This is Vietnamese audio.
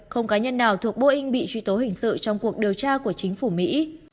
không cá nhân nào thuộc boeing bị truy tố hình sự trong cuộc điều tra của chính phủ mỹ